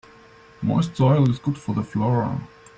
Moist soil is good for the flora.